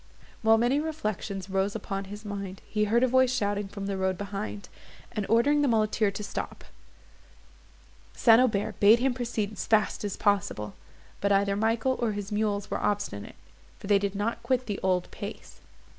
While many reflections rose upon his mind, he heard a voice shouting from the road behind, and ordering the muleteer to stop. St. Aubert bade him proceed as fast as possible; but either Michael, or his mules were obstinate, for they did not quit the old pace.